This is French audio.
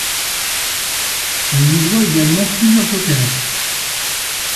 On lui doit également plusieurs opérettes.